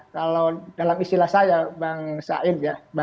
kalau dalam istilah saya bang said ya